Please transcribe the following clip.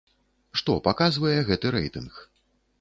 Што паказвае гэты рэйтынг?